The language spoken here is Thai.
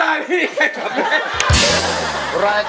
แล้วมันต่อ